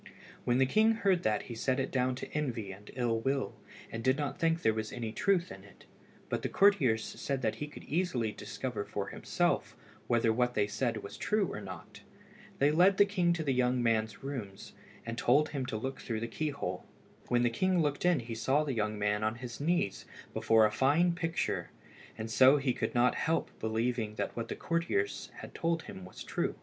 When the king heard that he set it down to envy and ill will, and did not think there was any truth in it, but the courtiers said that he could easily discover for himself whether what they said was true or not. They led the king to the young man's rooms, and told him to look through the key hole. When the king looked in he saw the young man on his knees before a fine picture, and so he could not help believing that what the courtiers had told him was true.